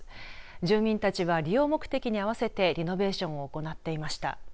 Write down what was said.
住民たちは、利用目的に合わせてリノベーションを行っていました。